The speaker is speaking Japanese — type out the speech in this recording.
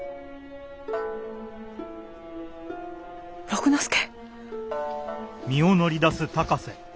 六之助！？